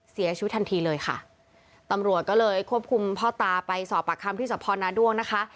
เสียชีวิตทันทีเลยค่ะตำรวจก็เลยควบคุมพ่อตาไปสอบปากคำที่สะพอนาด้วงนะคะ